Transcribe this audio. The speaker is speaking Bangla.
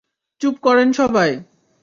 চুপ করেন সবাই।